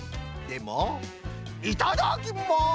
でもいただきます！